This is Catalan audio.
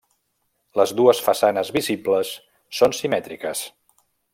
Les dues façanes visibles són simètriques.